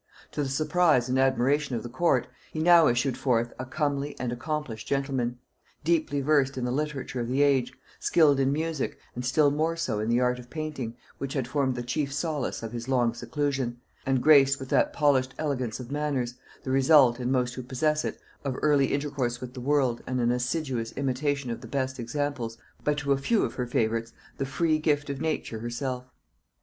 To the surprise and admiration of the court, he now issued forth a comely and accomplished gentleman; deeply versed in the literature of the age; skilled in music, and still more so in the art of painting, which had formed the chief solace of his long seclusion; and graced with that polished elegance of manners, the result, in most who possess it, of early intercourse with the world and an assiduous imitation of the best examples, but to a few of her favorites the free gift of nature herself.